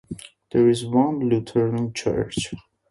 There is one Lutheran church.